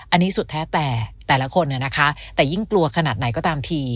อันนี้สุดแท้แต่แต่ละคนนะคะแต่ยิ่งกลัวขนาดไหนก็ตามที